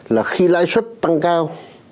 là khi lãi xuất tăng cao